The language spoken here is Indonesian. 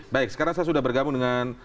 baik sekarang saya sudah bergabung dengan